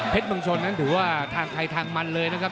เพชรเบื้องชนถือว่าทางไทยทางมันเลยนะครับ